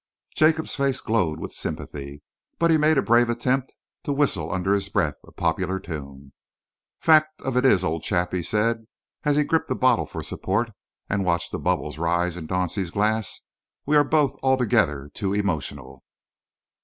Jacob's face glowed with sympathy, but he made a brave attempt to whistle under his breath a popular tune. "Fact of it is, old chap," he said, as he gripped the bottle for support and watched the bubbles rise in Dauncey's glass, "we are both altogether too emotional."